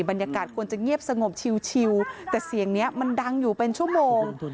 บรรยากาศควรจะเงียบสงบชิวแต่เสียงนี้มันดังอยู่เป็นชั่วโมง